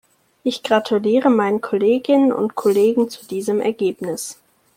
Ich gratuliere meinen Kolleginnen und Kollegen zu diesem Ergebnis.